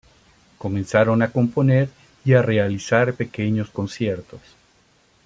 Comenzaron a componer y a realizar pequeños conciertos.